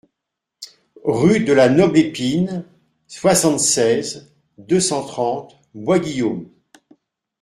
Rue de la Noble Épine, soixante-seize, deux cent trente Bois-Guillaume